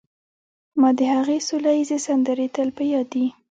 ما د هغې سوله ییزې سندرې تل په یاد دي